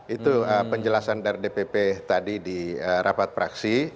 itu penjelasan dari dpp tadi di rapat praksi